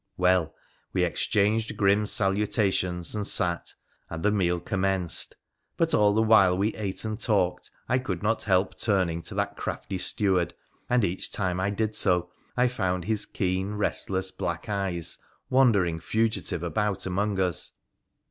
Well, we exchanged grim salutations, and sat, and the meal commenced. But all the while we ate and talked I could not help turning to that crafty steward, and each time I did so I found his keen, restless black eyes wandering fugi tive about among us.